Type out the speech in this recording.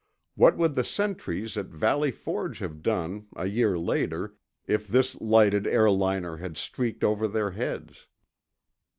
What would the sentries at Valley Forge have done, a year later, if this lighted airliner had streaked over their heads?